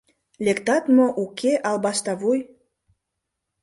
— Лектат мо, уке, албаста вуй!